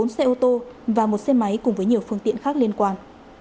bốn xe ô tô và một xe máy cùng với nhiều phương tiện khác liên quan